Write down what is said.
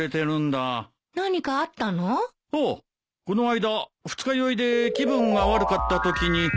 この間二日酔いで気分が悪かったときに。